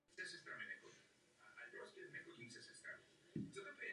Hlavním rozdílem proti staršímu účetnictví dračí brány byl způsob uzavírání knih.